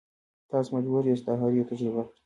تاسو مجبور یاست دا هر یو تجربه کړئ.